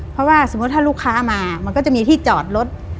เพราะว่าสมมุติถ้าลูกค้ามามันก็จะมีที่จอดรถ